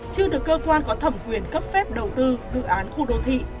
chưa được cơ quan có thẩm quyền cấp phép đầu tư dự án khu đô thị